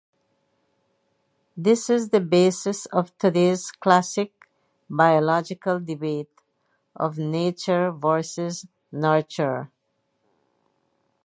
This is the basis of today's classic biological debate of "nature versus nurture".